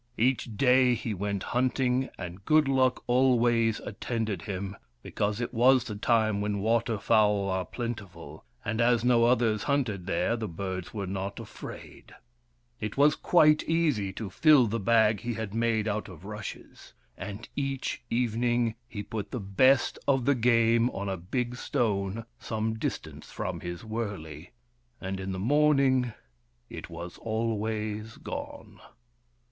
Each day he went hunting, and good luck always attended him, because it was the time when waterfowl are plentiful, and as no others hunted there, the birds were not afraid. It was WURIP. THE FIRE BRINGER 243 quite easy to fill the bag he had made out of rushes. And each evening he put the best of the game on a big stone some distance from his wurley, and in the morning it was always gone.